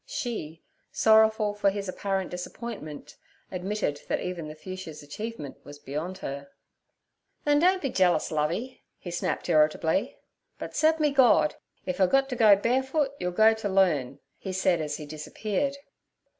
She, sorrowful for his apparent disappointment, admitted that even The Fuchsia's achievement was beyond her. 'Then don't be jealous, Lovey' he snapped irritably. 'But se'p me Gord! if I gut t' go barefoot you'll go t' learn' he said as he disappeared.